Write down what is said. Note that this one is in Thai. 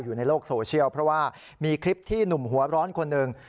อยู่ในโลกโซเชียลเพราะว่ามีคลิปที่หนุ่มหัวร้อนคนหนึ่ง